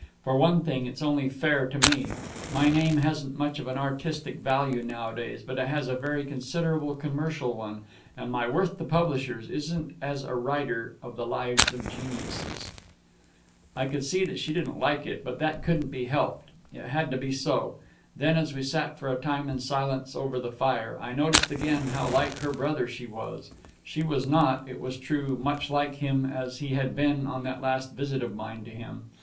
For one thing, it's only fair to me. My name hasn't much of an artistic value nowadays, but it has a very considerable commercial one, and my worth to publishers isn't as a writer of the Lives of Geniuses." I could see she didn't like it; but that couldn't be helped. It had to be so. Then, as we sat for a time in silence over the fire, I noticed again how like her brother she was. She was not, it was true, much like him as he had been on that last visit of mine to him